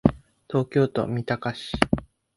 東京都三鷹市